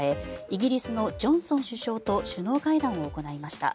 イギリスのジョンソン首相と首脳会談を行いました。